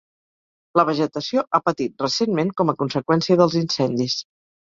La vegetació ha patit recentment com a conseqüència dels incendis.